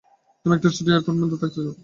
তুমি একটা স্টুডিও এপার্টমেন্টে থাকতে চাও?